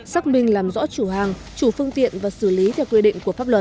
xác minh làm rõ chủ hàng chủ phương tiện và xử lý theo quy định của pháp luật